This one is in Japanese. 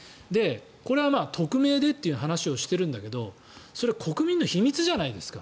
これは匿名でという話をしているんだけどそれ国民の秘密じゃないですか。